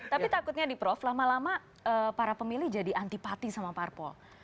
tapi takutnya nih prof lama lama para pemilih jadi antipati sama parpol